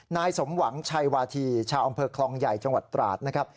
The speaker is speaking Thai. นายสมหวังชัยวาธีชาวอำเภอคลองใหญ่จังหวัดตราดนะครับ